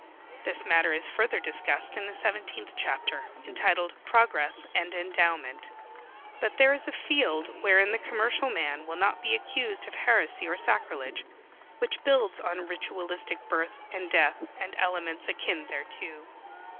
This matter is further discussed in the seventeenth chapter, entitled "Progress and Endowment." But there is a field wherein the commercial man will not be accused of heresy or sacrilege, which builds on ritualistic birth and death and elements akin thereto.